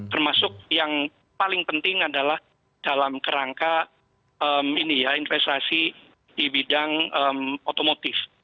termasuk yang paling penting adalah dalam kerangka investasi di bidang otomotif